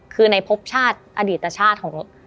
คือในพบชาติอดีตชาติของ